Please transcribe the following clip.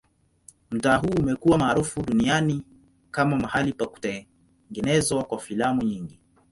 Mtaa huu umekuwa maarufu duniani kama mahali pa kutengenezwa kwa filamu nyingi.